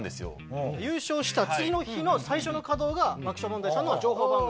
優勝した次の日の最初の稼働が爆笑問題さんの情報番組。